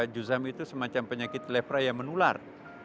juzam itu semacam penyakit lepra yang menular